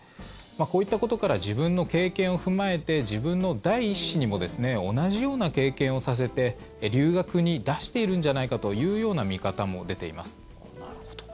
こういったことから自分の経験を踏まえて自分の第１子にも同じような経験をさせて留学に出しているんじゃないかというような見方も出ています。